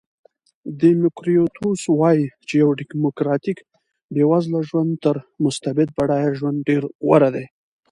دیموکریتوس وایي چې یو دیموکراتیک بېوزله ژوند تر مستبد بډایه ژوند ډېر غوره دی.